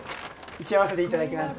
打ち合わせでいただきます。